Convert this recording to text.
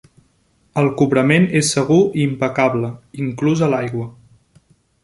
El cobrament és segur i impecable, inclús a l'aigua.